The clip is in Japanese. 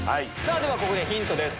ではここでヒントです。